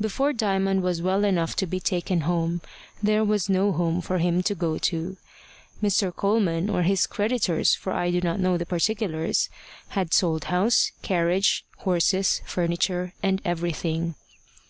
Before Diamond was well enough to be taken home, there was no home for him to go to. Mr. Coleman or his creditors, for I do not know the particulars had sold house, carriage, horses, furniture, and everything.